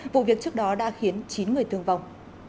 vụ việc trước đó đã khiến chín người thương vong